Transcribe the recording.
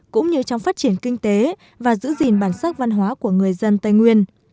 cũng như trong phát triển kinh tế và giữ gìn bản sắc văn hóa của người dân tây nguyên